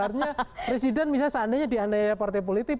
artinya presiden misalnya seandainya dianaya partai politik